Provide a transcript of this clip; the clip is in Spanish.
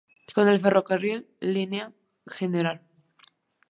Con el ferrocarril línea Gral.